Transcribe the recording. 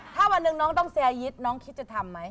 ถ้าวันนึงน้องต้องแซ่ยิดน้องคิดทำไหม